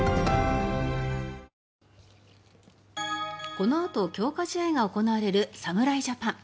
このあと強化試合が行われる侍ジャパン。